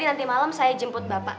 nanti malam saya jemput bapak